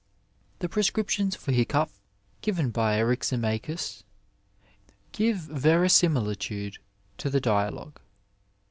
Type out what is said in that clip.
The prescriptions for hiccough, given by Eryximachus, give verisimilitude to the dialogue.